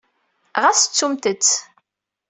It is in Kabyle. Ɣas ttumt-t.